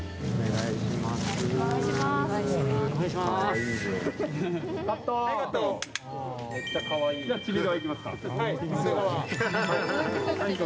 お願いしますー。